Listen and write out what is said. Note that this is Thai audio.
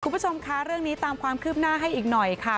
คุณผู้ชมคะเรื่องนี้ตามความคืบหน้าให้อีกหน่อยค่ะ